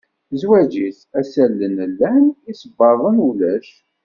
Zwaǧ-is, assalen llan, isebbaḍen ulac.